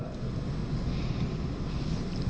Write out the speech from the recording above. maka tentu juga dia boleh berdagang